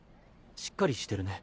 しっかりしてるね。